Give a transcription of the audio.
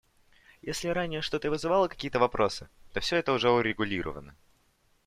Если ранее что-то и вызывало какие-то вопросы, то все это уже урегулировано.